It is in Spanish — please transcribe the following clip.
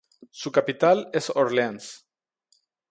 Su capital es Orleans.